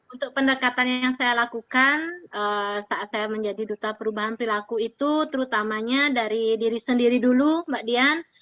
untuk pendekatan yang saya lakukan saat saya menjadi duta perubahan perilaku itu terutamanya dari diri sendiri dulu mbak dian